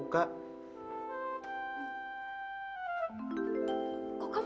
kok kamu aneh banget